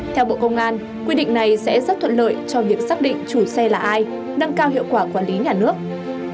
theo bộ công an quy định này sẽ rất thuận lợi cho việc xác định chủ xe là ai nâng cao hiệu quả quản lý nhà nước